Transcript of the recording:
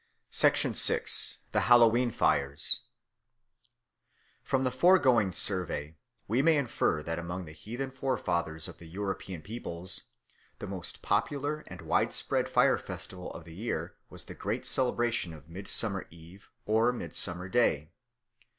6. The Hallowe'en Fires FROM THE FOREGOING survey we may infer that among the heathen forefathers of the European peoples the most popular and widespread fire festival of the year was the great celebration of Midsummer Eve or Midsummer Day.